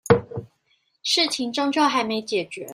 事情終究還沒解決